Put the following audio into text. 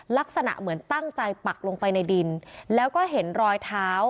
ลักษณะเหมือนตั้งใจปักลงไปในดินแล้วก็เห็นรอยเท้า